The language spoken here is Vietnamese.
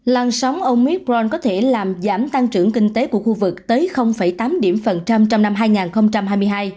làn sóng ông midbron có thể làm giảm tăng trưởng kinh tế của khu vực tới tám điểm phần trăm trong năm hai nghìn hai mươi hai